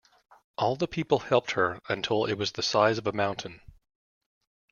All the people helped her until it was the size of a mountain.